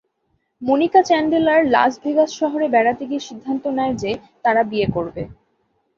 Monica Chandler লাস-ভেগাস শহরে বেড়াতে গিয়ে সিদ্ধান্ত নেয় যে তারা বিয়ে করবে।